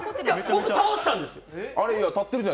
僕倒したんです。